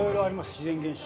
自然現象。